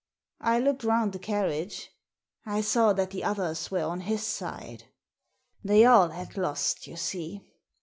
I looked round the carriage. I saw that the others were on his side. They all had lost, you see.